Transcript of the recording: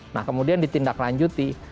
nah kemudian ditindaklanjuti